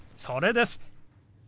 それです。